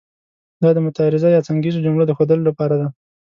دا د معترضه یا څنګیزو جملو د ښودلو لپاره ده.